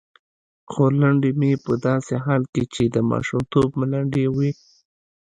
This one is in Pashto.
خورلنډې مې په داسې حال کې چې د ماشومتوب ملنډې یې وې.